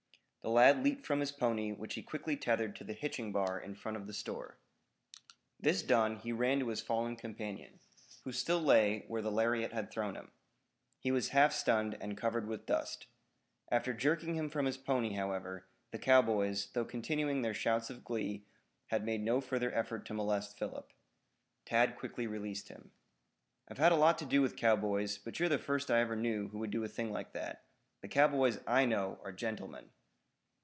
The lad leaped from his pony which he quickly tethered to the hitching bar in front of the store. This done he ran to his fallen companion, who still lay where the lariat had thrown him. He was half stunned and covered with dust. After jerking him from his pony, however, the cowboys, though continuing their shouts of glee, had made no further effort to molest Philip. Tad quickly released him. "I 've had a lot to do with cowboys, but you're the first I ever knew who would do a thing like that. The cowboys I know are gentlemen."